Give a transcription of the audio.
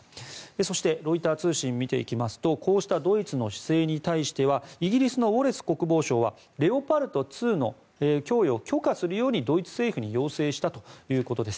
そしてロイター通信見ていきますとこうしたドイツの姿勢に対してはイギリスのウォレス国防相はレオパルト２の供与を許可するようにドイツ政府に要請したということです。